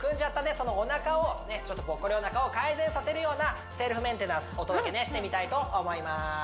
そのおなかをねっちょっとぽっこりおなかを改善させるようなセルフメンテナンスお届けねしてみたいと思います